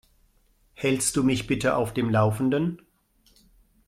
Hältst du mich bitte auf dem Laufenden?